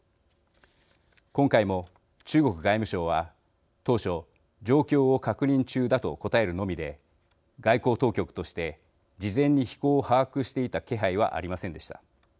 今回も中国外務省は当初状況を確認中だと答えるのみで外交当局として事前に飛行を把握していた気配はありませんでした。